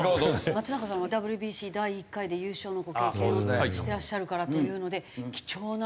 松中さんはＷＢＣ第１回で優勝のご経験をしてらっしゃるからというので貴重な？